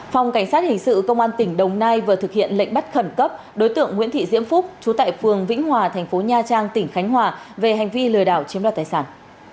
phòng cảnh sát hình sự công an tỉnh đồng nai vừa thực hiện lệnh bắt khẩn cấp đối tượng nguyễn thị diễm phúc chú tại phường vĩnh hòa thành phố nha trang tỉnh khánh hòa về hành vi lừa đảo chiếm đoạt tài sản